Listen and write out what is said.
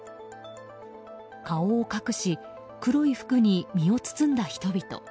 顔を隠し黒い服に身を包んだ人々。